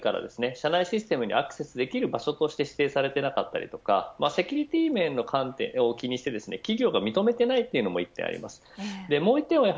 社外から社内システムにアクセスできる場所として指定されていなかったりセキュリティー面を気にして企業が認めていないのも大きいです。